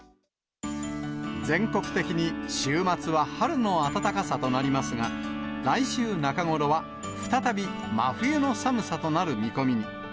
全国的に週末は春の暖かさとなりますが、来週中頃は、再び真冬の寒さとなる見込みに。